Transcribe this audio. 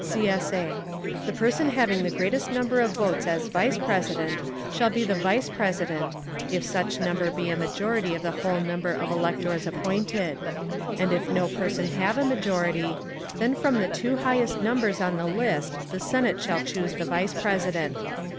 [CSA] The person having the greatest number of votes as Vice President, shall be the Vice President, if such number be a majority of the whole number of electors appointed; and if no person have a majority, then from the two highest numbers on the list the Senate shall choose the Vice President.